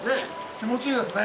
気持ちいいですね。